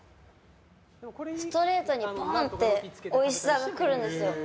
ストレートにぼん！とおいしさが来るんですよ。